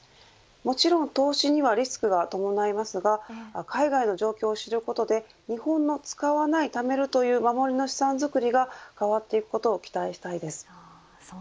もちろん投資にはリスクが伴いますが海外の状況を知ることで日本の、使わない、貯めるという守りの資産づくりが変わっていくことを期待したいです。